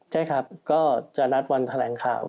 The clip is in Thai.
ใช่ครับก็จะนัดวันแถลงข่าว